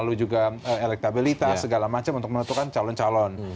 dilihat juga elektabelitas segala macam untuk menentukan calon calon